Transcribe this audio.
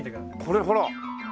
これほら。